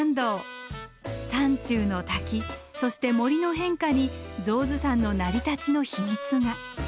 山中の滝そして森の変化に象頭山の成り立ちの秘密が。